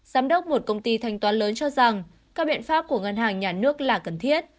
giám đốc một công ty thanh toán lớn cho rằng các biện pháp của ngân hàng nhà nước là cần thiết